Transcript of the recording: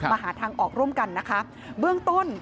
หาทางออกร่วมกันนะคะเบื้องต้น